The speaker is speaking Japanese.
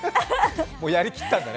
もうやりきったんだね。